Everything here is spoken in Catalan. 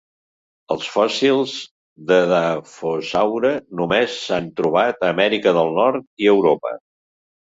Els fòssils d'edafòsaure només s'han trobat a Amèrica del Nord i Europa.